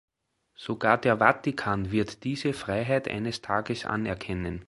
Sogar der Vatikan wird diese Freiheit eines Tages anerkennen.